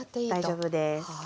大丈夫です。